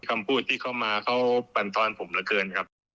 คำพูดที่เขามาเขาปันทวนผมเหลือเพลินไหมครับ